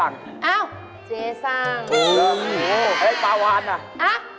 อะไรปลาวานล่ะอ๊ะ